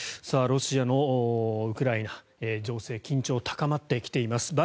ロシア、ウクライナ情勢緊張高まってきています。